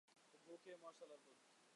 গু খেয়ে মর শালার পুত।